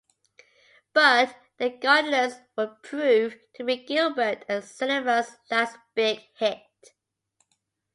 But "The Gondoliers" would prove to be Gilbert and Sullivan's last big hit.